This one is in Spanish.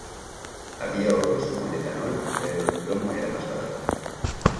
Había otros como el etanol, pero el plomo era más barato.